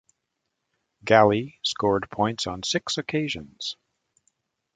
Galli scored points on six occasions.